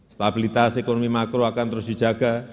stabilitas ekonomi makro akan terus dijaga